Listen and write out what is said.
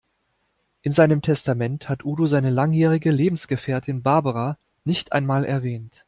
In seinem Testament hat Udo seine langjährige Lebensgefährtin Barbara nicht einmal erwähnt.